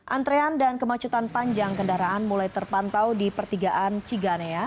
antrean dan kemacetan panjang kendaraan mulai terpantau di pertigaan ciganea